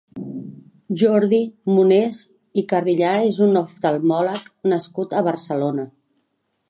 Jordi Monés i Carilla és un oftalmòleg nascut a Barcelona.